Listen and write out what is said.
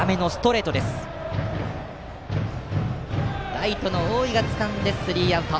ライトの大井がつかんでスリーアウト。